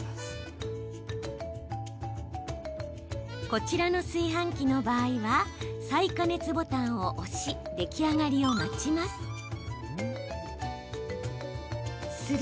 こちらの炊飯器の場合は再加熱ボタンを押し出来上がりを待ちます。